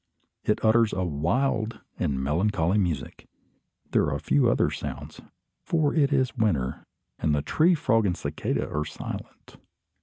It utters a wild and melancholy music. There are few other sounds, for it is winter, and the tree frog and cicada are silent.